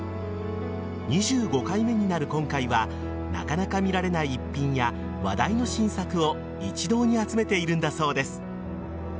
２５回目になる今回はなかなか見られない逸品や話題の新作を一堂に集めているんだそうです。